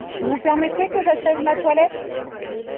Vous permettez que j’achève ma toilette ?